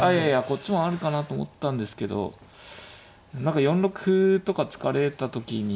こっちもあるかなと思ったんですけど何か４六歩とか突かれた時に。